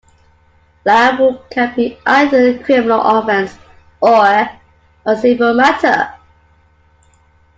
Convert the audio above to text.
Libel can be either a criminal offense or a civil matter.